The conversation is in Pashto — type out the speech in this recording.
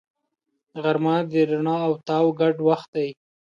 غرمه د رڼا او تاو ګډ وخت دی